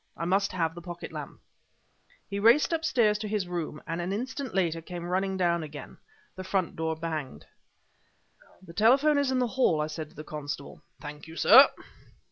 I must have the pocket lamp." He raced upstairs to his room, and an instant later came running down again. The front door banged. "The telephone is in the hall," I said to the constable. "Thank you, sir."